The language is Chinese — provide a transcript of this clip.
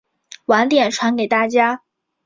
晚点传给大家